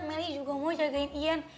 melly juga mau jagain ian